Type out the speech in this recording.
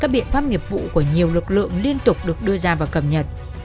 biện pháp nghiệp vụ của nhiều lực lượng liên tục được đưa ra và cầm nhật